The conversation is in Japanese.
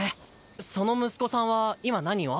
その息子さんは今何を？